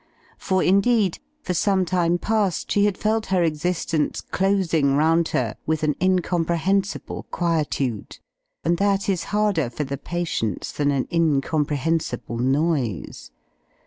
For, indeed, for some time past she had felt her existence closing round her with an incomprehensible quietude; and that is harder for the patience than an incomprehensible noise.